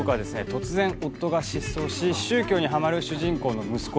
突然夫が失踪し宗教にハマる主人公の息子